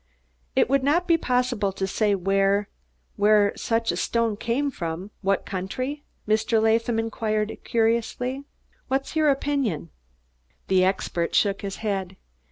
"It would not be possible to say where where such a stone came from what country?" Mr. Latham inquired curiously. "What's your opinion?" The expert shook his head.